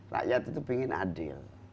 rakyat itu ingin adil